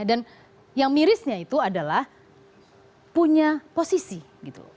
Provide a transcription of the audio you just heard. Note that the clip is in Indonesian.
dan yang mirisnya itu adalah punya posisi gitu